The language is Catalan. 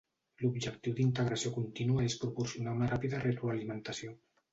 L'objectiu d'integració contínua és proporcionar una ràpida retroalimentació.